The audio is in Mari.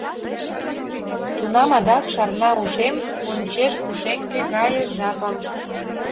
Тунам адак шарна ушем пунчеж пушеҥге гае жапым.